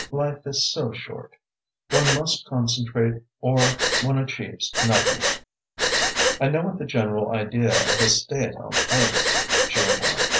Life is so short. One must concentrate or one achieves nothing. I know what the general idea of a stay at home is," she went on.